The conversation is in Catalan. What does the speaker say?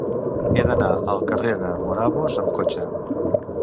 He d'anar al carrer dels Morabos amb cotxe.